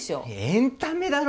エンタメだろ？